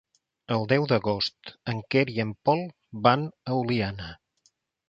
El deu d'agost en Quer i en Pol van a Oliana.